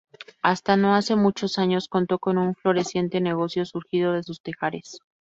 Hasta no hace muchos años contó con un floreciente negocio surgido de sus tejares.